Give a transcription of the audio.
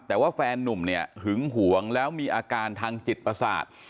แต่ว่าแฟนนุ่มเนี่ยหึงหวงแล้วมีอาการทางจิตประสาท